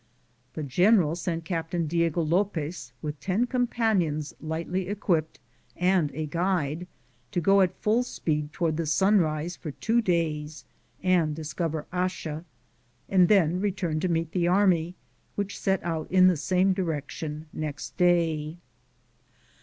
The general sent Captain Diego Lopez with ten companions lightly equipped and a guide to go at full speed toward the sunrise for two days and discover Haxa, and then return to meet the army, which set out in the same direction _jiext day.